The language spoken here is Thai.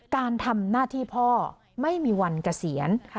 การทำหน้าที่พ่อไม่มีวันเกษียณ